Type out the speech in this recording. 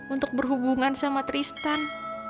untuk berhubungan sama tristan